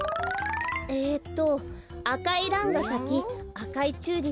えっと「あかいランがさきあかいチューリップがさいた